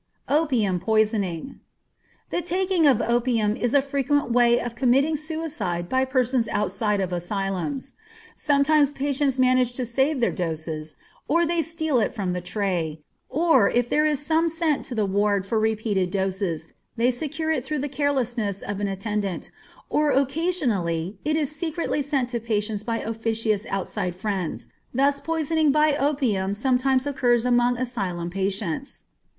Opium Poisoning. The taking of opium is a frequent way of committing suicide by persons outside of asylums. Sometimes patients manage to save their doses, or they steal it from the tray, or, if there is some sent to the ward for repeated doses, they secure it through the carelessness of an attendant, or occasionally it is secretly sent to patients by officious outside friends, thus poisoning by opium sometimes occurs among asylum patients.